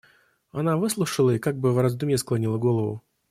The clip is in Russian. Она выслушала и как бы в раздумье склонила голову.